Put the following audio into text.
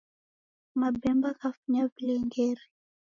Mabemba ghafunya vilengeri.